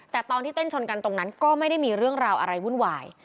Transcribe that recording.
แต่ตอนที่เต้นชนกันตรงนั้นก็ไม่ได้มีเรื่องราวอะไรวุ่นวาย